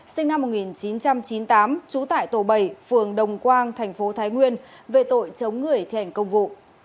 sinh năm một nghìn chín trăm chín mươi tám trú tại tổ bảy phường đồng quang thành phố thái nguyên về tội chống người thi hành công vụ